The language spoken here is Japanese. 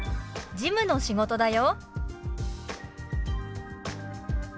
「事務の仕事だよ」。